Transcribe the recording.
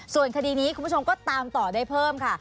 ส่วนคดีนี้คุณผู้ชมก็ตามต่อได้เพิ่มค่ะ